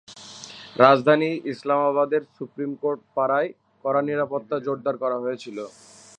রাজধানী ইসলামাবাদের supreme court পাড়ায় কড়া নিরাপত্তা জোরদার করা হয়েছিল।